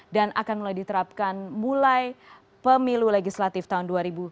dan akan mulai diterapkan mulai pemilu legislatif tahun dua ribu sembilan belas